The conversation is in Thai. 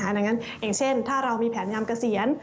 ดังนั้นอย่างเช่นถ้าเรามีแผนงามเกษียณ